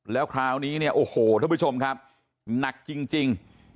แล้วคราวนี้เนี่ยโอ้โหท่านผู้ชมครับหนักจริง